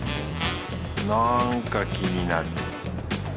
なんか気になる。